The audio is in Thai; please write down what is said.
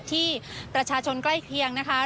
ที่ประชาชนใกล้เคียงนะคะ